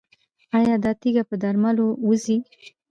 ایا دا تیږه په درملو وځي؟